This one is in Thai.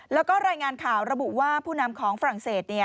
แล้วก็รายงานข่าวระบุว่าผู้นำของฝรั่งเศส